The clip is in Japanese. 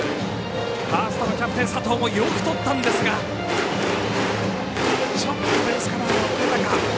ファーストのキャプテン佐藤もよくとったんですがちょっとベースカバーが遅れたか。